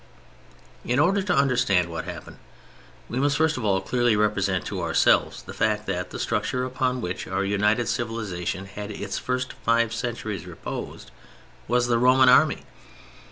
In order to understand what happened we must first of all clearly represent to ourselves the fact that the structure upon which our united civilization had in its first five centuries reposed, was the Roman Army.